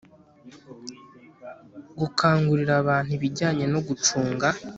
Gukangurira abantu ibijyanye no gucunga